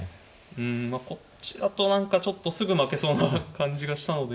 うんまあこっちだと何かちょっとすぐ負けそうな感じがしたので。